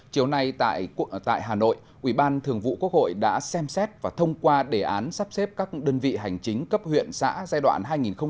chiều nay tại hà nội ủy ban thường vụ quốc hội đã xem xét và thông qua đề án sắp xếp các đơn vị hành chính cấp huyện xã giai đoạn hai nghìn một mươi chín hai nghìn hai mươi một